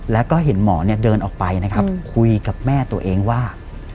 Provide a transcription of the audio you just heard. แล้วก็เห็นหมอเดินออกไปคุยกับแม่ตัวเองว่า